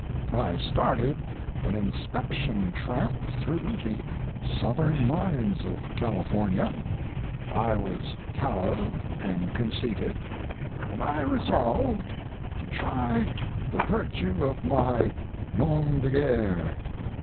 I started an inspection tramp through the southern mines of California. I was callow and conceited, and I resolved to try the virtue of my 'nom de guerre'.